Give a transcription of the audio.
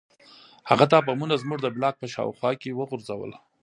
هغه دا بمونه زموږ د بلاک په شاوخوا کې وغورځول